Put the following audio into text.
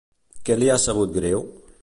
Què li ha sabut greu?